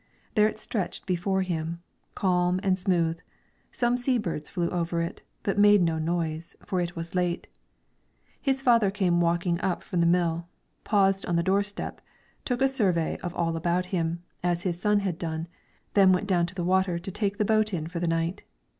There it stretched before him, calm and smooth; some sea birds flew over it, but made no noise, for it was late. His father came walking up from the mill, paused on the door step, took a survey of all about him, as his son had done, then went down to the water to take the boat in for the night.